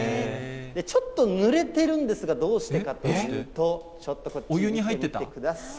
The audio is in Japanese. ちょっとぬれてるんですが、どうしてかというと、ちょっとこっち見てください。